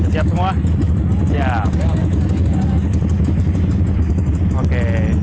siap semua siap oke